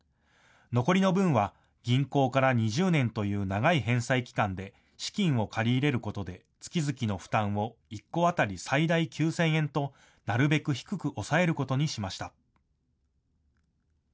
残りの分は銀行から２０年という長い返済期間で資金を借り入れることで月々の負担を１戸当たり最大９０００円と、なるべく低く抑えることにしました。